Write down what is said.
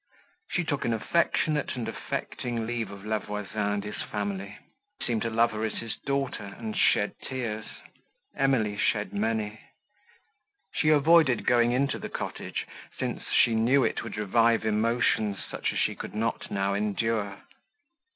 She took an affectionate and affecting leave of La Voisin and his family; he seemed to love her as his daughter, and shed tears; Emily shed many. She avoided going into the cottage, since she knew it would revive emotions, such as she could not now endure.